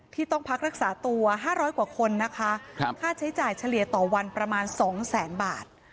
ที่ต้องพักรักษาตัว๕๐๐กว่าคนนะคะค่าใช้จ่ายเฉลี่ยต่อวันประมาณ๒แสนบาท